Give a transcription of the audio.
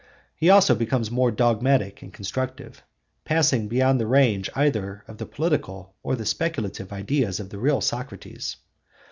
He also becomes more dogmatic and constructive, passing beyond the range either of the political or the speculative ideas of the real Socrates.